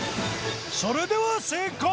それでは正解